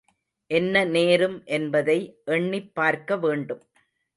என்ன நேரும் என்பதை எண்ணிப் பார்க்க வேண்டும்.